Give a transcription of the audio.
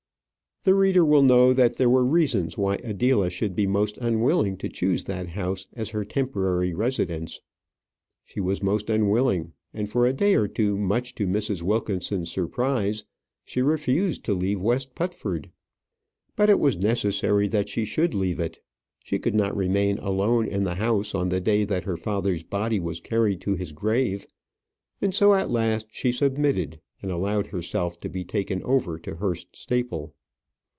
The reader will know that there were reasons why Adela should be most unwilling to choose that house as her temporary residence. She was most unwilling; and for a day or two, much to Mrs. Wilkinson's surprise, she refused to leave West Putford. But it was necessary that she should leave it. She could not remain alone in the house on the day that her father's body was carried to his grave; and so at last she submitted, and allowed herself to be taken over to Hurst Staple.